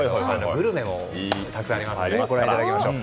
グルメもありますのでご覧いただきましょう。